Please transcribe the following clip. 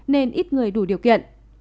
nên ít người đủ điều kiện